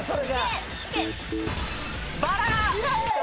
バラ！